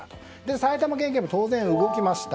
埼玉県警も当然動きました。